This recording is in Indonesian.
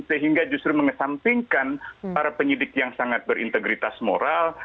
sehingga justru mengesampingkan para penyidik yang sangat berintegritas moral